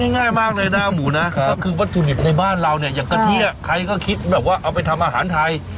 ง่ายมากเลยหน้าหมูนะก็คือวัตถุดิบในบ้านเราเนี่ยอย่างกะเทียใครก็คิดแบบว่าเอาไปทำอาหารไทย